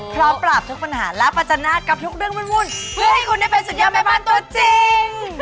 ปราบทุกปัญหาและประจันทกับทุกเรื่องวุ่นเพื่อให้คุณได้เป็นสุดยอดแม่บ้านตัวจริง